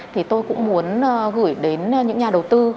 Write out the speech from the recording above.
thì tôi cũng muốn gửi đến những nhà đầu tư